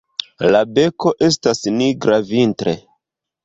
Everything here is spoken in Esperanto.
La beko estas nigra vintre.